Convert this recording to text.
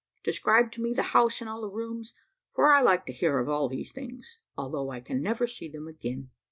Describe to me the house and all the rooms, for I like to hear of all these things, although I can never see them again."